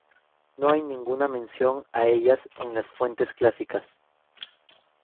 No hay ninguna mención a ellas en las fuentes clásicas.